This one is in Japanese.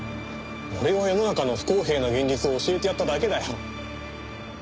俺は世の中の不公平な現実を教えてやっただけだよ。